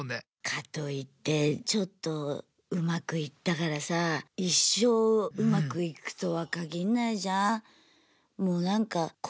かといってちょっとうまくいったからさ一生うまくいくとは限んないじゃん。